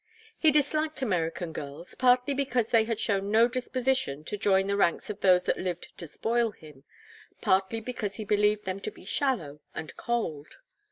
He disliked American girls, partly because they had shown no disposition to join the ranks of those that lived to spoil him, partly because he believed them to be shallow and cold.